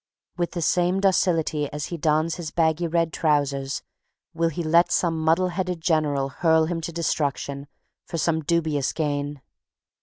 With the same docility as he dons his baggy red trousers will he let some muddle headed General hurl him to destruction for some dubious gain.